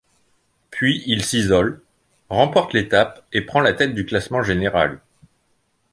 Puis il s'isole, remporte l'étape et prend la tête du classement général.